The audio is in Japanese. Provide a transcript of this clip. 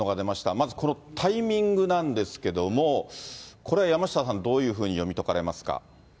まずこのタイミングなんですけれども、これは山下さん、どういうふうに読み解かれますか？